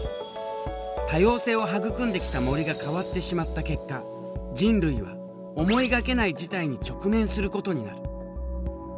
多様性を育んできた森が変わってしまった結果人類は思いがけない事態に直面することになる。